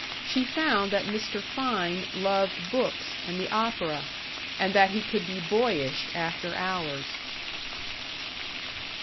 She found that Mr. Fein loved books and the opera, and that he could be boyish after hours.